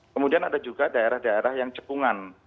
kemudian ada juga daerah daerah yang cekungan